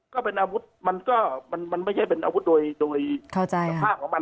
ก็เป็นอาวุธมันก็มันไม่ใช่เป็นอาวุธโดยสภาพของมัน